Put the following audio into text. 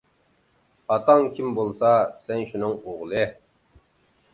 ئاتاڭ كىم بولسا، سەن شۇنىڭ ئوغلى.